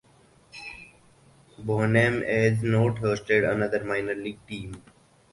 Bonham has not hosted another minor league team.